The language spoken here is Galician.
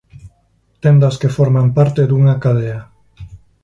Tendas que forman parte dunha cadea.